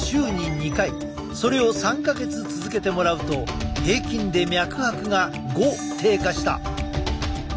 それを３か月続けてもらうと平均で脈拍が５低下した。